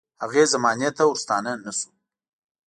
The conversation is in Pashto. هغې زمانې ورستانه نه شو.